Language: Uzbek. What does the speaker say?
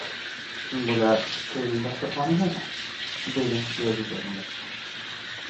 — Bular... to‘yning dasturxonigami? — dedim kuyovga termulib.